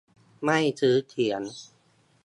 ไม่ซื้อเสียง